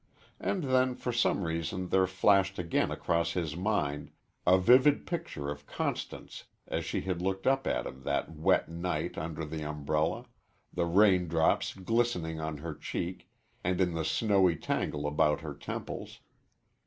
And then for some reason there flashed again across his mind a vivid picture of Constance as she had looked up at him that wet night under the umbrella, the raindrops glistening on her cheek and in the blowy tangle about her temples.